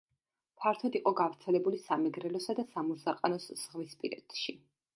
ფართოდ იყო გავრცელებული სამეგრელოსა და სამურზაყანოს ზღვისპირეთში.